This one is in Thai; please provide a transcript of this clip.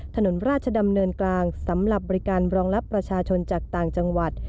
ถนนราชดำเนินกลางสำหรับบริการรองรับประชาชนจากต่างจังหวัด